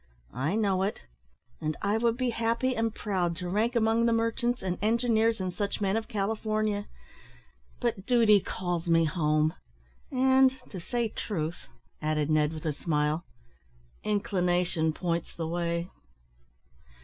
"I know it; and I would be happy and proud to rank among the merchants, and engineers, and such men, of California; but duty calls me home, and, to say truth," added Ned, with a smile, "inclination points the way."